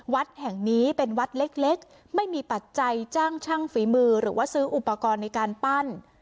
วัดแห่งนี้เป็นวัดเล็กไม่มีปัจจัยจ้างช่างฝีมือหรือว่าซื้ออุปกรณ์ในการปั้น